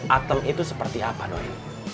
atem itu seperti apa doy